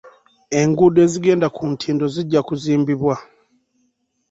Enguudo ezigenda ku ntindo zijja kuzimbibwa.